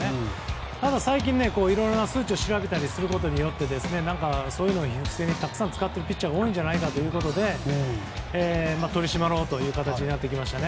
ただ、最近いろんな数値を調べたりすることによってそういうのを不正にたくさん使っているピッチャーが多いんじゃないかということで取り締まろうという形になってきましたね。